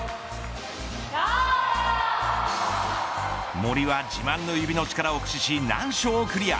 森は、自慢の指の力を駆使し難所をクリア。